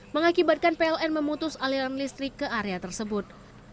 mengakibatkan pln memutus aliran listrik ke area tersebut